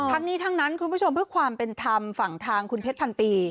ทั้งนี้ทั้งนั้นคุณผู้ชมเพื่อความเป็นธรรมฝั่งทางคุณเพชรพันปี